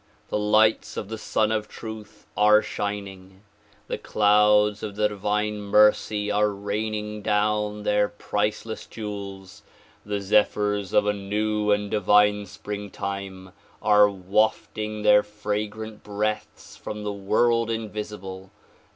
The lights of the Sun of Truth are shining. The clouds of the divine mercy are raining down their priceless jewels. The zei)hyrs of a new and divine springtime are wafting their fragrant breaths from the world invisible.